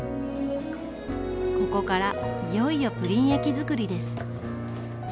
ここからいよいよプリン液づくりです。